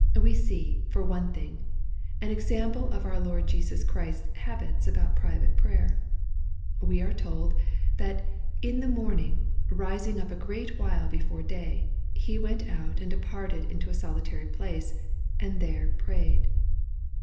We see, for one thing, an example of our Lord Jesus Chrisfs habits about private prayer. We are told, that " in the morning, rising up a great while before day, He went out and departed into a solitary place, and there prayed."